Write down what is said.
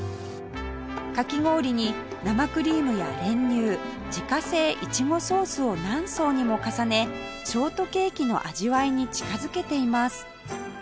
かき氷に生クリームや練乳自家製苺ソースを何層にも重ねショートケーキの味わいに近づけています